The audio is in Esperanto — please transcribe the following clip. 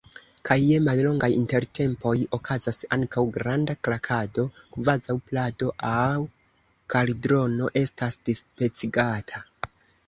Kaj je mallongaj intertempoj okazas ankaŭ granda krakado. kvazaŭ plado aŭ kaldrono estas dispecigata.